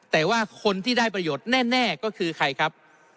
แต่ว่าคนที่ได้ประโยชน์แน่ก็คือใครครับ